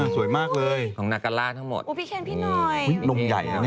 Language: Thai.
พี่เคนพี่นอย